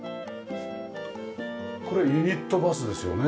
これユニットバスですよね。